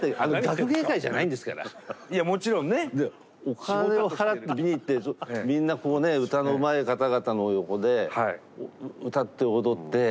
お金を払って見に行ってみんなこうね歌のうまい方々の横で歌って踊って。